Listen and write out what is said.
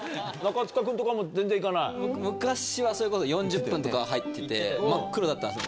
昔はそれこそ４０分とか入ってて、真っ黒だったんですよ。